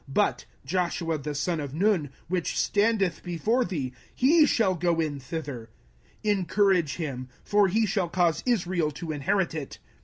05:001:038 But Joshua the son of Nun, which standeth before thee, he shall go in thither: encourage him: for he shall cause Israel to inherit it.